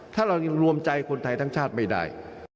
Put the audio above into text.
ถ้าเรายังรวมใจคนไทยทั้งชาติไม่ได้